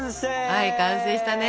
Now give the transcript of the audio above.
はい完成したね。